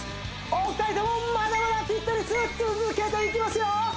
お二人ともまだまだフィットネス続けていきますよ！